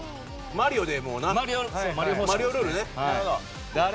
『マリオ』ルールね。